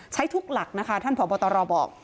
ใช้ทุกหลักนะคะท่านผอบตรบอก